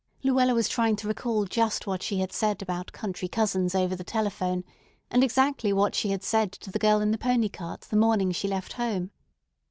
Luella was trying to recall just what she had said about "country cousins" over the telephone, and exactly what she had said to the girl in the pony cart the morning she left home.